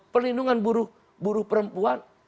perlindungan buruh perempuan